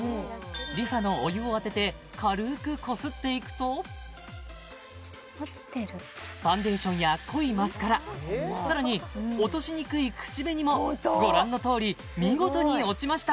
ＲｅＦａのお湯を当てて軽くこすっていくとファンデーションや濃いマスカラさらに落としにくい口紅もご覧のとおり見事に落ちました